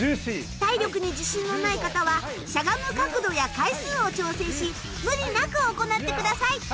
体力に自信のない方はしゃがむ角度や回数を調整し無理なく行ってください。